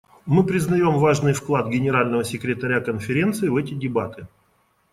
Мы признаем важный вклад Генерального секретаря Конференции в эти дебаты.